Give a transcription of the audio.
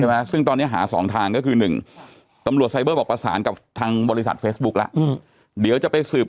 ใช่ไหมซึ่งตอนนี้หา๒ทางก็คือหนึ่งตำรวจไซเบอร์อบประสานกับทางบริษัทเฟสบุ๊คแล้วอืม